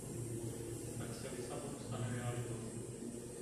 Tak se Lisabon stane realitou.